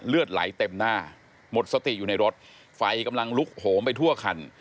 เลือดไหลเต็มหน้าหมดสติอยู่ในรถไฟกำลังลุกโหมไปทั่วคัน